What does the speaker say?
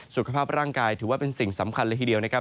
สุขภาพร่างกายถือว่าเป็นสิ่งสำคัญเลยทีเดียวนะครับ